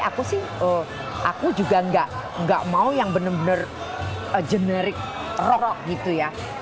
aku sih aku juga nggak mau yang bener bener generic rock gitu ya